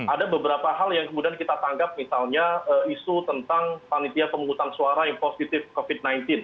ada beberapa hal yang kemudian kita tangkap misalnya isu tentang panitia pemungutan suara yang positif covid sembilan belas